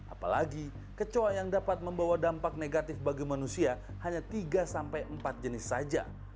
apalagi kecoa yang dapat membawa dampak negatif bagi manusia hanya tiga sampai empat jenis saja